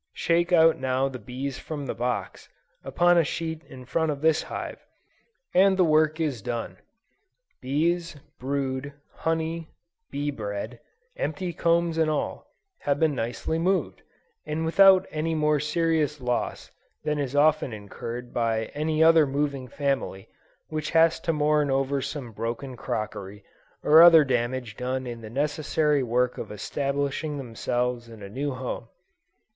Shake out now the bees from the box, upon a sheet in front of this hive, and the work is done; bees, brood, honey, bee bread, empty combs and all, have been nicely moved, and without any more serious loss than is often incurred by any other moving family, which has to mourn over some broken crockery, or other damage done in the necessary work of establishing themselves in a new home!